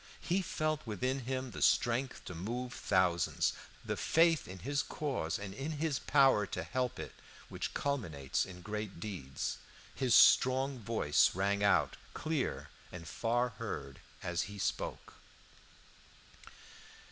He felt within him the strength to move thousands, the faith in his cause and in his power to help it which culminates in great deeds. His strong voice rang out, clear and far heard, as he spoke.